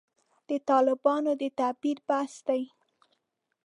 د طالبانو د تعبیر بحث دی.